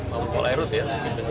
maupun kuala erut ya